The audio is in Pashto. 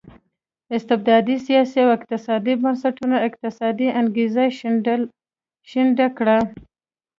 استبدادي سیاسي او اقتصادي بنسټونو اقتصادي انګېزه شنډه کړه.